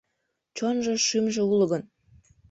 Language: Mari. Чонжо — шӱмжӧ уло гын